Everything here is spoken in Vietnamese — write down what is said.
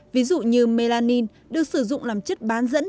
ví dụ như melanin được sử dụng làm chất bán dẫn